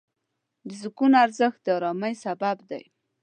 د سکون ارزښت د آرامۍ سبب دی.